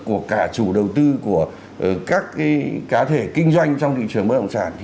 của cả chủ đầu tư của các cá thể kinh doanh trong thị trường bất động sản